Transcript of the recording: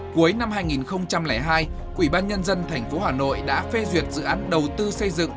cuối năm hai nghìn hai quỹ ban nhân dân thành phố hà nội đã phê duyệt dự án đầu tư xây dựng